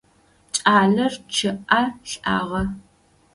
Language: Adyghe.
Кӏалэр чъыӏэ лӏагъэ.